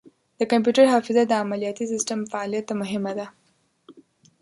د کمپیوټر حافظه د عملیاتي سیسټم فعالیت ته مهمه ده.